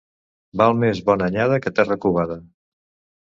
Val més bona anyada que terra covada.